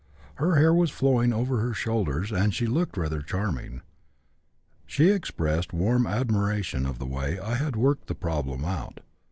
Her hair was flowing over her shoulders and she looked rather charming. She expressed warm admiration of the way I had worked the problem out.